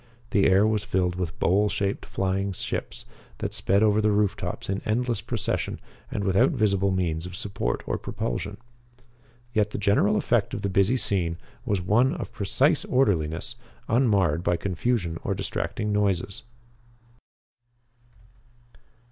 The air was filled with bowl shaped flying ships that sped over the roof tops in endless procession and without visible means of support or propulsion. Yet the general effect of the busy scene was one of precise orderliness, unmarred by confusion or distracting noises.